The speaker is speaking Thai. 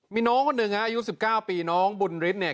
มีน้องคนหนึ่งอายุ๑๙ปีน้องบุญฤทธิ์เนี่ย